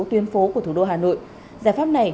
tuyên phố của thủ đô hà nội giải pháp này